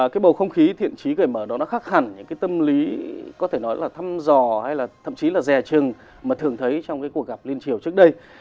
cái bầu không khí thiện trí cởi mở đó nó khác hẳn những cái tâm lý có thể nói là thăm dò hay là thậm chí là rè trừng mà thường thấy trong cái cuộc gặp liên triều trước đây